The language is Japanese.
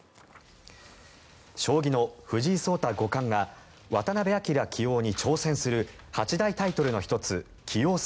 将棋の藤井聡太五冠が渡辺明棋王に挑戦する八大タイトルの１つ棋王戦